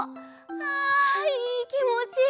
あいいきもち！